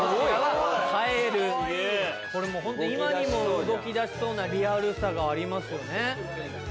これ今にも動きだしそうなリアルさがありますよね。